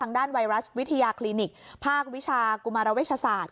ทางด้านไวรัสวิทยาคลินิกฯภาควิชากุมารวิชศาสตร์